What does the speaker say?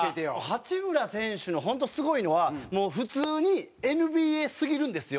八村選手の本当すごいのはもう普通にＮＢＡすぎるんですよ。